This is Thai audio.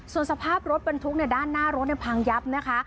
ส่วนสภาพรถบรรทุกด้านหน้ารถพังยับนะคะ